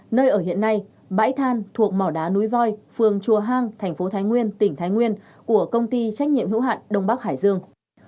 nơi ở hiện nay bãi than thuộc mỏ đá núi voi phường chùa hang thành phố thái nguyên tỉnh thái nguyên của công ty trách nhiệm hữu hạn đông bắc hải dương